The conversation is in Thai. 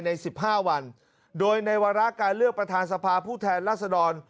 ใน๑๕วันโดยในวาระการเลือกประธานสภาผู้แทนรัศดร